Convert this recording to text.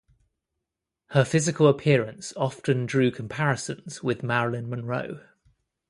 Her physical appearance often drew comparisons with Marilyn Monroe.